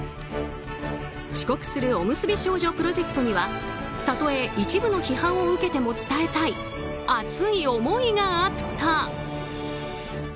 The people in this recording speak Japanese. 遅刻するおむすび少女プロジェクトにはたとえ一部の批判を受けても伝えたい熱い思いがあった。